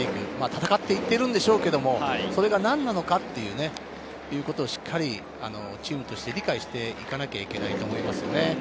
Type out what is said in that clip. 戦って行っているんでしょうけれど、それが何なのかということをしっかりチームとして理解していかなければいけないと思います。